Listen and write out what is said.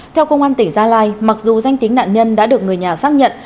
theo công an tỉnh gia lai mặc dù danh tính nạn nhân đã được người nhà xác nhận